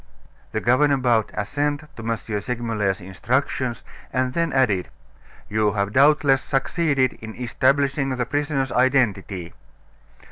The governor bowed assent to M. Segmuller's instructions, and then added: "You have doubtless succeeded in establishing the prisoner's identity."